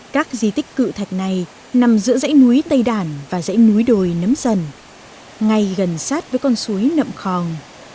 các di tích cự thạch này nằm giữa dãy núi tây đàn và dãy núi đồi nấm dần ngay gần sát với con suối nậm khòng